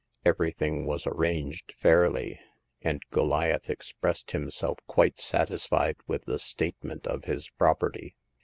Every thing was arranged fairly, and Goliath expressed himself quite satisfied with the statement of his property.